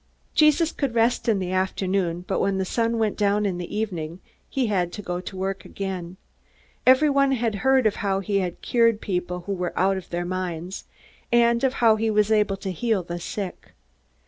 Jesus could rest in the afternoon, but when the sun went down in the evening he had to go to work again. Everyone had heard of how he cured people who were out of their minds, and of how he was able to heal the sick.